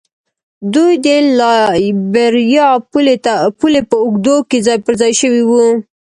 دوی د لایبیریا پولې په اوږدو کې ځای پر ځای شوي وو.